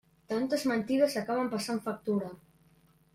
Tantes mentides acaben passant factura.